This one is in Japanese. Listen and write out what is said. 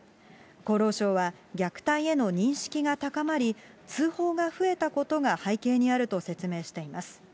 厚労省は、虐待への認識が高まり、通報が増えたことが背景にあると説明しています。